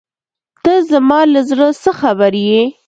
ته زما له زړۀ څه خبر یې.